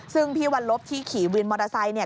ซึ่งพี่วันลบที่ขี่วินมอเตอร์ไซค์เนี่ย